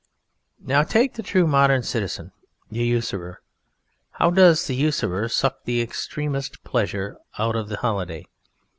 Now take the true modern citizen, the usurer. How does the usurer suck the extremest pleasure out of his holiday?